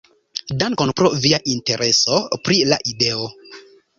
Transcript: Dankon pro via intereso pri la ideo!